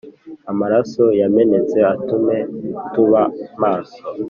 amaraso yamenetse atume tuba maso